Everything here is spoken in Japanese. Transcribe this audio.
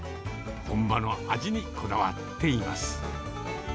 本場の味にこだわっています。